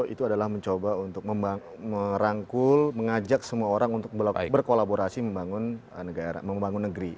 itu adalah mencoba untuk merangkul mengajak semua orang untuk berkolaborasi membangun negara membangun negeri